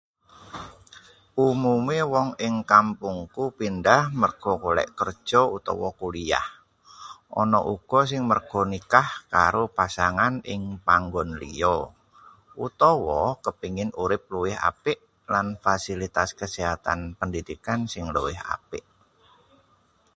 Umume wong ing kampungku pindah merga golek kerja utawa kuliah. Ana uga sing merga nikah karo pasangan ing panggon liya, utawa kepingin urip luwih apik lan fasilitas kesehatan pendidikan sing luwih apik.